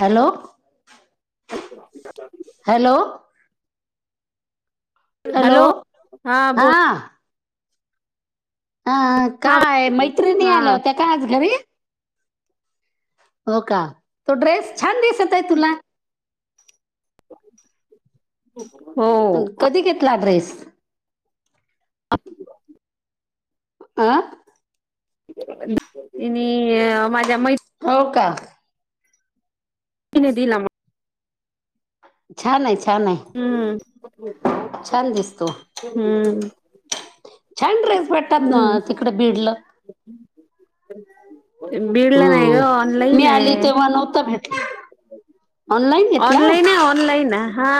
Hello. Hello. Hello हां हा बोल. हा काय मैत्रिणी हा आल्या होत्या का आज घरी? हो का तो ड्रेस छान दिसतय तुला. हो कधी घेतला ड्रेस? आं. ईणि माझ्या मै हो का. तिने दिला म छान आहे. छान आहे हम्म छान दिसतो हम्म. छान ड्रेस भेटतात ना हम्म तिकडं बिडला. बिडला नाही ग हम्म मी ऑनलाईन आली ये. तेव्हा नव्हता भेटला ऑनलाईन घेतला ऑनलाईन ये ऑनलाईन हा.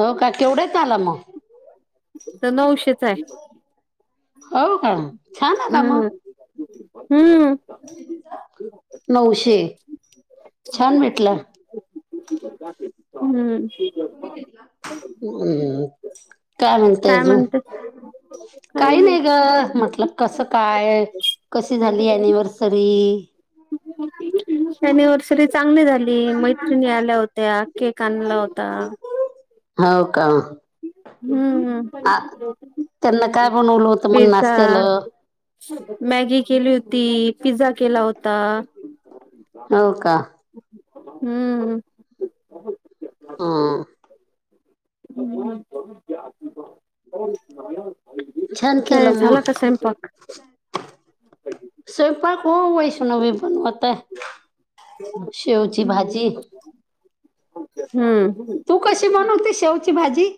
हो का केवढ्यात आलं मग? तर नऊशेचा हाय. हो का छान आला मं. हम्म नऊशे छान भेटला. हम्म. हम्म काय म्हणतय अजून? काही नाही ग. म्हटल कस काय कशी झाली अनिव्हर्सरी? अनिव्हर्सरी चांगली झाली मैत्रिणी आल्या होत्या केक आणला होता. हाओ का. हम्म ह. ऊन ऊन होत मग नासत्याल मॅगी केली होती, पिझ्झा केला होता. हो का. हम्म. आ. हम्म. छान काय केलं झाला मग का स्वयंपाक? स्वयंपाक हो वैष्णवी बणवताय. शेवची भाजी. हम्म. तू कशी बनवते शेवची भाजी?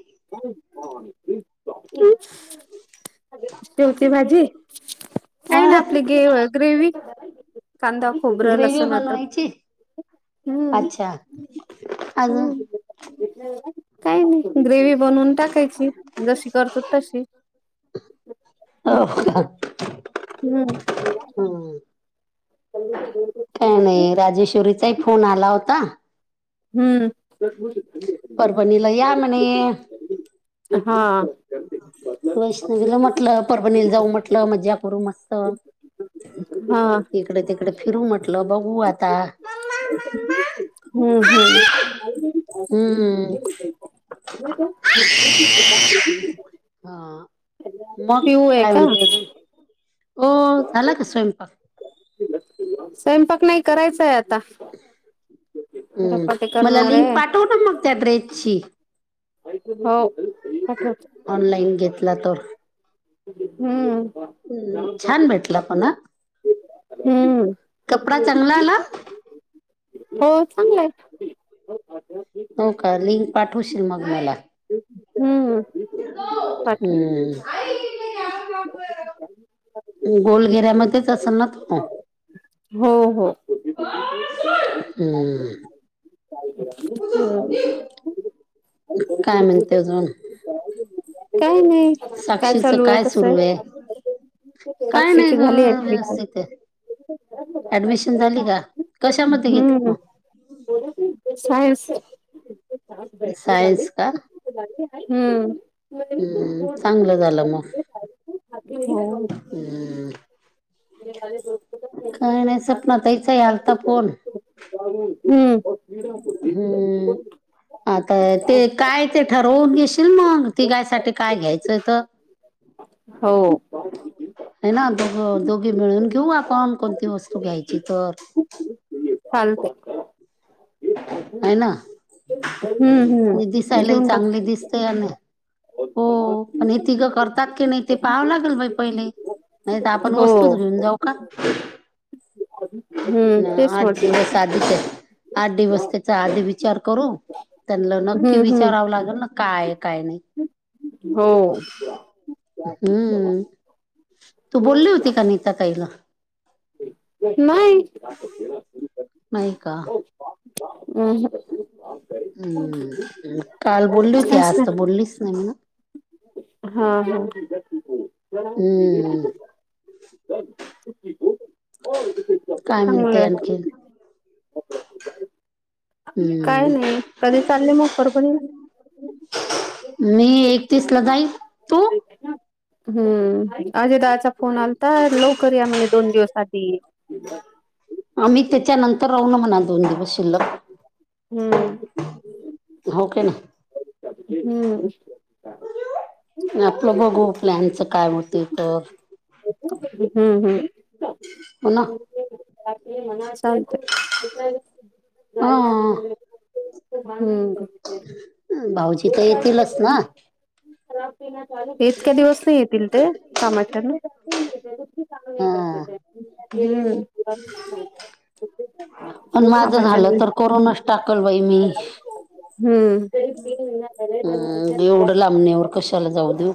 तेवती भाजी अ काय ना आपली गेव ग्रेवी. कांदा खबर ग्रेवी लसण अद्रक बनवायची हम्म. अच्छा अजून हम्म काय नाही. ग्रेवी बनवून टाकायची जशी करतो तशी. [inaudible] हम्म. हम्म काय नाही राजेश्वरीचाही फोन आला होता. हम्म. परभणीला या म्हणे [unintelligible] हा.. वैष्णवीला म्हटलं परभणीला जाऊ म्हटलं मज्जा करू मस्त. हा इकडे तिकडे फिरू म्हटल बघू आता.. हम्म, हम्म. हम्म.. हा, मग पिऊ आहे काय का म्हणते अजून. हो, झाला का स्वयंपाक? स्वयंपाक नाही करायचाय आता. हम्म, धपाटे मला करणार लिंक आहे पाठव ना मग त्या ड्रेसची. हो. ऑनलाइन घेतला तो. हम्म.. हम्म छान भेटला पण हा. हम्म. कपडा चांगला आला? हो चांगलाय. हो का लिंक पाठवशील मग मला. हम्म. हम्म... पाठव गोल घेरा मध्येच असल ना तो. हो हो हम्म.. [unintelligible] काय म्हणते अजून, काय नाही साक्षी च चालू आहे काय कसं सुरू आहे? काय नाही साक्षीची झाली ऍडमिशन. व्यवस्थित आहे. ऍडमिशन झाली का? कशामध्ये घेतली हम्म मग? सायन्स. सायन्स का. हम्म.. हम्म चांगलं झालं मग हम्. म हो [inaudible] काय नाही, सपना ताई चा पण आलता फोन. हम्म हम्म आता. ते काय ते ठरवून घेशील मग तीघा साठी काय घ्यायचंय तर.. हो. हे ना दोघ दोघीं मिळून घेऊ, आपण कोणती वस्तू घ्यायची तर. चालते. ह ना, हम्म हम्म मी दिसायला घेऊन टाक. चांगली दिसते अनं हो, पण हे तिघं करतात की नाही ते पाहावं लागेल बाई पहिले. नाही तर आपण वस्तूच हो घेऊन जाऊ का. ना हम्म तेच म्हटलं [unintelligible] साधीच हाय, आठ दिवस त्याचा, आधी विचार करू. त्यांन नक्की हम्म हम्म विचारावं लागेल. ना काय आहे काय नाही? हो हम्म.. तू बोलली होती का नीता ताईला? नाही. नाही का हम्. हम्म, काल बोलली होती काहीच नाही. आज तर बोललीच नाही म्हणा. हा, हा.. हम्म.. काय म्हणते चांगलंय आणखी? काय नाही कधी चालले मग परभणी? मी एकतीसला जाईन, तू? हम्म अजय दादाचा फोन आलाता लवकर या म्हणे. दोन दिवस आधी. आम्ही त्याच्यानंतर राहू ना म्हणा दोन दिवस शिल्लक. हम्म हो की नाही हम्म. आपलं बघू प्लॅनचं काय होते तर. हम्म हम्म. हो ना चालतंय. हा हम्म भाऊजी तर येतीलच ना? इतक्या दिवस नाही येतील ते कामाच्यान. हम्म हा पण माझं कामाच्या झालं हम्म तर कोरोनच टाकल बाई मी. हम्म एवढं लांबण्यावर कशाला जाऊ देऊ?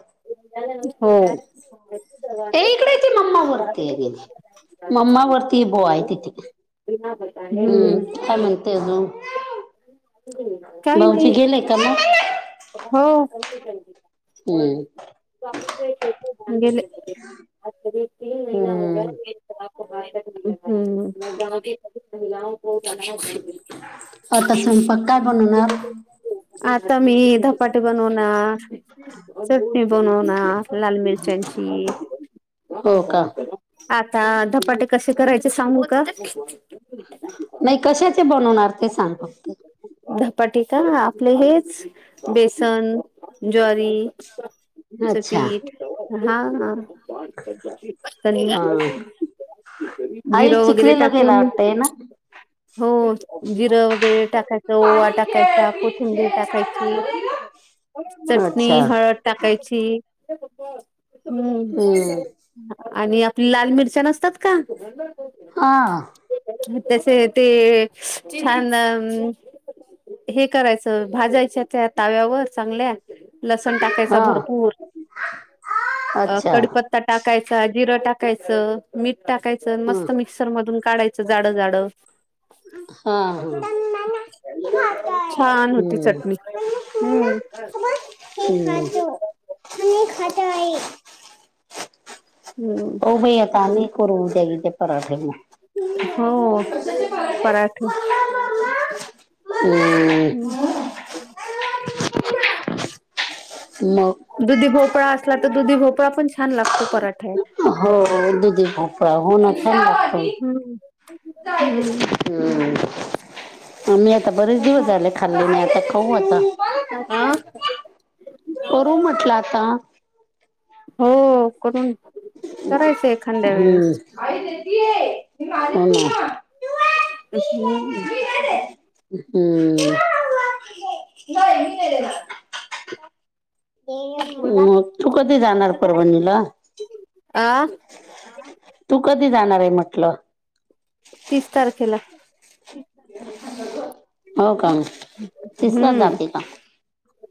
ए इकडे [unintelligible] ती मम्मा वरती आहे मम्मा वरती बोय तिथ. हम्म. म्हणते अजून. काही नाही भाऊजी गेले कामावर? हो गेले. तीन महिना हो गया हम्म हम्म आता स्वयंपाक काय बनवणार? आता मी धपाटी बनवणार. चटणी बनवणार लाल मिरच्यांची. हो का? आता धपाटे कसे करायचे सांगू का? नाही कशाचे बनवणार ते सांग फक्त. धपाटी का आपले हेच बेसन, ज्वारी चं अच्छा पीठ हां हां कनी हा आयुष जिरं वगैरे चिखलीला गेला टाकून वाटतंय ना हो जिरं वगैरे टाकायचं ओवा पाणी खेळ, टाकायचा पीठ कोथिंबीर खेळ काय टाकायची. चालू आहे ग? चटणी अच्छा हळद टाकायची. हम्म हम्म आणि आपली लाल मिरच्या नसतात का? हां तसे ते छान. हे करायचं भाजायच्या त्या ताव्यावर चांगल्या. लसण टाकायचा हा भरपूर. अ अच्छा कडीपत्ता टाकायचा जिरं टाका टाकायच मीठ टाकायचं हं, मस्त मिक्सर मधून काढायचं जाडं जाडं. हा हा हम्म. छान होती चटणी. हम्म. हे खातो आणि खात आहे. हम्म हो भाई आता आम्ही करून द्या इते पराठेन. हो पराठे. हम्म [inaudible] मग दुधी भोपळा असला तर दुधी भोपळा पण छान लागतो पराठ्यात हो दुधी भोपळा हो ना ल लातो हम्म हम्म हम् मी आता बरेच दिवस आले खाल्ली नाही आता खाऊ आ आता वरू म्हटलं आता हो करून करायचंय एखांद्या वेळेस हम्म [unintelligible] हम्म हम्म मग तू कधी जाणार परभणीला आ तू कधी जाणार आहे म्हटलं तीस तारखेला हो का म दिसला हम्म जाते का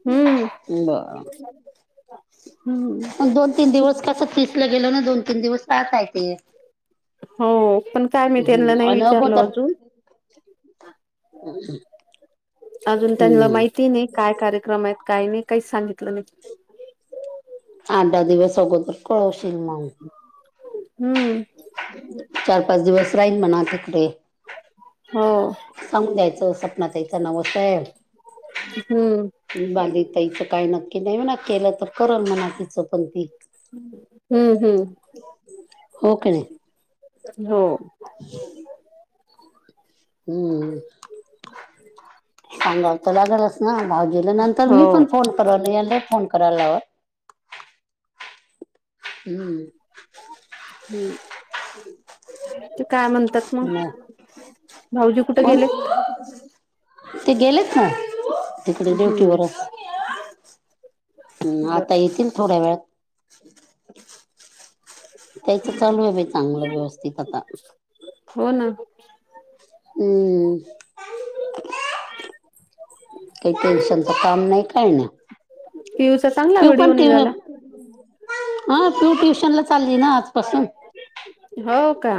हम्म ब हम्म मग दोन तीन दिवस कस तिसला गेलो ना दोन तीन दिवस तातय ते हो पण काय मी त्यांना नाही आणि न विचारलं कोत अजून हम् अजून त्यांना माहिती नाही काय कार्यक्रम आहेत काही नाही काहीच सांगितलं नाही आठ दहा दिवस अगोदर कळवशील मग हम्म चार पाच दिवस राहील म्हणा तिकडे हो सांगून द्यायचं स्वपना द्यायचं नवसाहेब हम्म बाध इचं काही नक्की नाही म्हणा केलं तर करण म्हणा तिचं पण ती हम्म हम्म हो हम हम्म सांगावत लागेलच ना भाऊजीलं नंतर हो मी पण फोन कवल या फोन करायला लावा हम्म हम्म काय म्हणतात मग भाऊजी कुठे कोण गेले ते गेलेत ना तिकडे ड्युटी हम्म वरच हम् आता बरं येतील थोड्या वेळात [unintelligible] त्यायच चालू आहे बा चांगलं व्यवस्थित आता हो ना हम्म काही टेन्शनच काम नाही काळ ना व्हूचा चांगला व्हिडिओ निघाला हा तू ट्युशन ला चालली ना आजपासून हो का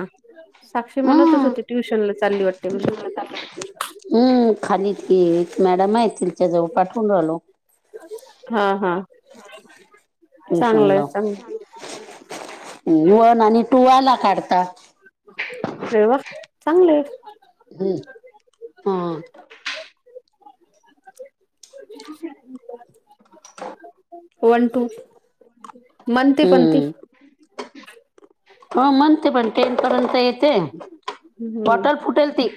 साक्षी हा म्हणतच होते ट्युशन ला चालली वाटते म्ह क मॅडम आहे तिच्याजवळ पाठवून राहिलो हा हा चांगलंय ट्युशनला चांग वन आणि टु आला काढते वव चांगले आहे हम्म हा [unintelligible] [unintelligible] वन टू मनते पी हम्म हो म्हणते पण टेन पर्यंत येते हम्म बॉटल फुटेल ती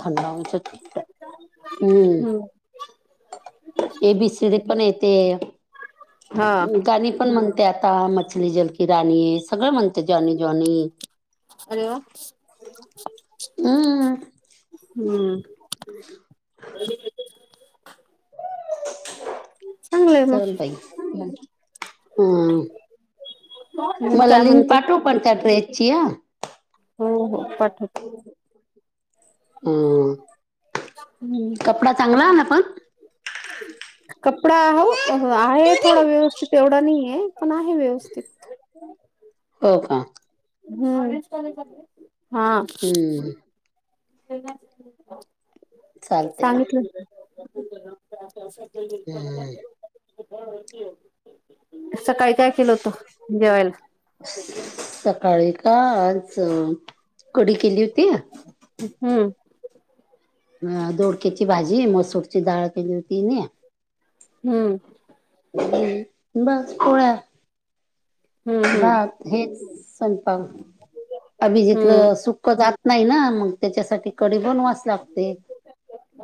थंडा होच हम्म हम्म ए बीस पण य ते हा गाणी पण म्हणते आता मछली जलकी राणी सगळ म्हणते ज्वानी ज्वानी अल हम्म हम्म [unintelligible] [inaudible] चांगलंय चल मग बाई हा मग मला काय लिंक म्हणते पाठवू पण त्या ड्रेस ची हा हो हो पाठवते हम हम्म कपडा चांगला आला पण [inaudible] कपडा हो आहे थोडा व्यवस्थित एवढा नाही आहे पण आहे व्यवस्थित हो का हम्म हा हम्म चालते सांगितलं [inaudible] हम्म सकाळी काय केलं होत जेवायला काच कडी केली होती हम्म, अ दोडक्याची भाजी मसूरची डाळ केली ती नाही हम्म बस पोळ्या हम्म, हम्म, जात हेच संपा अभि हम्म, जथलं सुखच नाही ना मग त्याच्यासाठी कडी बनवास लागते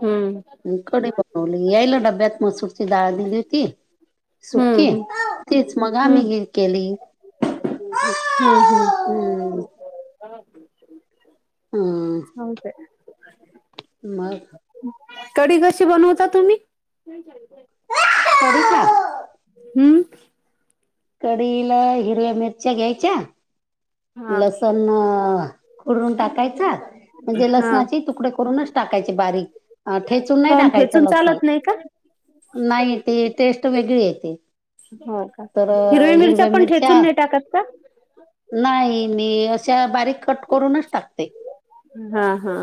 हम्म येयला डब्यात मसूरची दागलीली होती सुके हम्म, तेच मग आम्ही हम्म, हेि केली हम्म हम्म हम्म हो का मग कडीी कशी बनवता तुम्ही [unintelligible] हम्म कढला हिरव्या मिरच्या घ्यायच्या हा, लसण उरून टाकायचा म्हणजे हा. लसणाचे तुकडे करूनच टाकायचे बारीक अ ठेचून नाही काऊन टाकायचं ठेचून लसण चालत नाही का? नाही त टेस्ट वेगळी येते हो का तर हिरव मिरच्या हिरव्या पण ठेचून नाही टाकत का नाही मी अशा बारीक कट करूनच टाकते हा, हा.